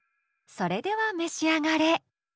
それでは召し上がれ。